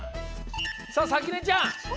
さあさきねちゃん！